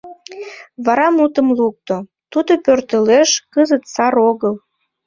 Вара мутым лукто: — Тудо пӧртылеш, кызыт сар огыл...